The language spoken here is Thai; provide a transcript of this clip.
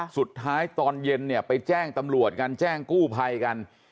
สุดท้ายตอนเย็นเนี่ยไปแจ้งตำรวจกันแจ้งกู้ไพรกัน